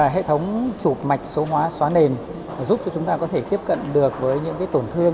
hệ thống chụp mạch số hóa xóa nền giúp cho chúng ta có thể tiếp cận được với những tổn thương